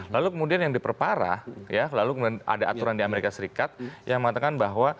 lalu kemudian yang diperparah ya lalu kemudian ada aturan di amerika serikat yang mengatakan bahwa